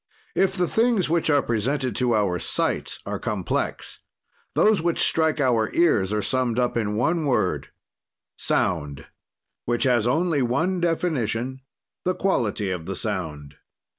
"If the things which are presented to our sight are complex, those which strike our ears are summed up in one word, sound, which has only one definition, the quality of the sound.